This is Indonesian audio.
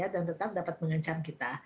dan tetap dapat mengancam kita